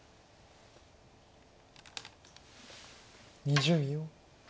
２０秒。